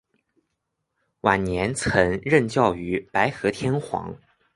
晚年曾任教于白河天皇。